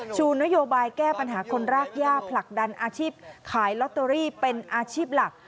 ชูนโยบายแก้ปัญหาคนรากย่าผลักดันอาชีพขายลอตเตอรี่เป็นอาชีพหลัก